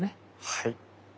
はい。